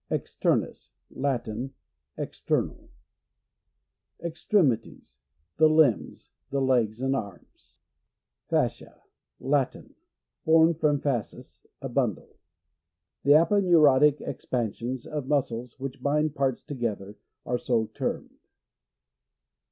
Externus. — Latin. External. Extremities. — The limbs; the legs and arms. 114 PHYSIOLOGY:— GLOSSARY. Fascia. — Latin. Formed from fas tis, a bundle The aponeurotic ex pansions of muscles wliich bind parts together, are so termed.